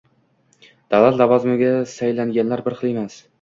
Davlat lavozimiga saylanganlar bir xil emas